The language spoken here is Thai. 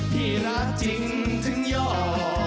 ที่รักจริงถึงย่อ